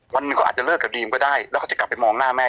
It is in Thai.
วันหนึ่งเขาอาจจะเลิกกับดีมก็ได้แล้วก็จะกลับไปมองหน้าแม่